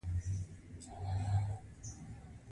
د اریکا چینوت څېړنې لا دوام لري.